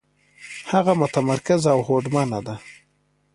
هغه متمرکزه او هوډمنه ده.